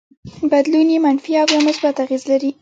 بدلون يې منفي او يا مثبت اغېز لري.